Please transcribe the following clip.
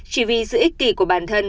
chỉ vì sự ích kỷ của bản thân